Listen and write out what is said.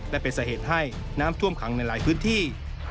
และเป็นสาเหตุให้น้ำท่วมขังในหลายพื้นที่